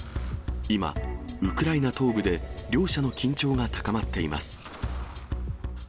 今、ウクライナ東部で両者の緊張が高まっています。